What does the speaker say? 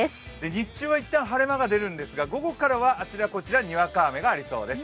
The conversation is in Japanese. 日中はいったん晴れ間が出るんですが、あちらこちら、にわか雨がありそうです。